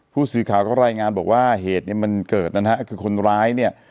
ผู้สื่อข่าวก็รายงานบอกว่าเหตุเนี่ยมันเกิดนะฮะคือคนร้ายเนี่ย